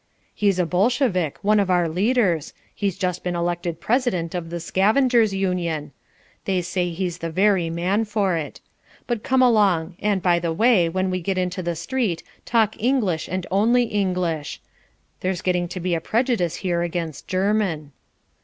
"He's a Bolshevik; one of our leaders; he's just been elected president of the Scavengers Union. They say he's the very man for it. But come along, and, by the way, when we get into the street talk English and only English. There's getting to be a prejudice here against German."